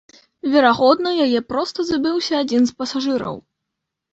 Верагодна, яе проста забыўся адзін з пасажыраў.